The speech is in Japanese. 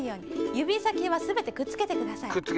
ゆびさきはすべてくっつけてください。